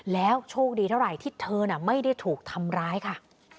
แล้วโชคดีเท่าไหร่ที่เธอน่ะไม่ได้ถูกทำร้ายค่ะ